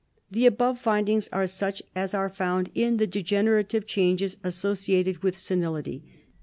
The above findings are such as are found in the degenerative changes associated with senility.